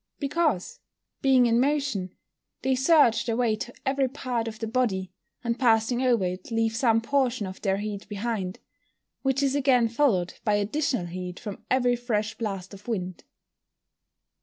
_ Because, being in motion, they search their way to every part of the body, and passing over it leave some portion of their heat behind, which is again followed by additional heat from every fresh blast of wind.